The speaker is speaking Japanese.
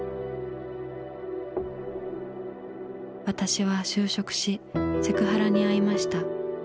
「私は就職しセクハラにあいました。